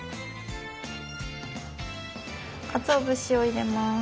かつお節を入れます。